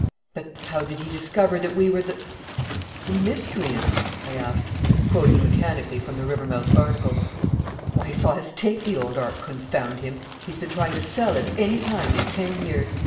"But how did he discover that we were the the miscreants?" I asked, quoting mechanically from the Rivermouth Bamacle. "Why, he saw us take the old ark, confound him! He's been trying to sell it any time these ten years.